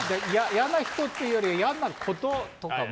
嫌な人っていうより嫌なこととかかな。